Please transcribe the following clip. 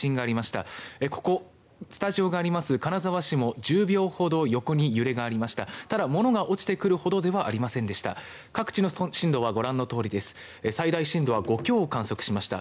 ただ、物が落ちてくるほどではありませんでした。